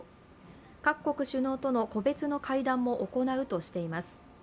各国首脳との個別の会談も行うとしています。